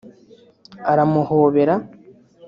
aramuhobera